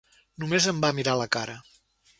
Només em va mirar a la cara.